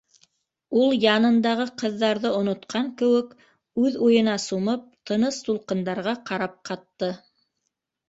— Ул, янындағы ҡыҙҙарҙы онотҡан кеүек, үҙ уйына сумып, тыныс тулҡындарға ҡарап ҡатты.